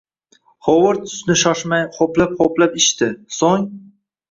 Hovard sutni shoshmay, hoʻplab-hoʻplab ichdi, soʻng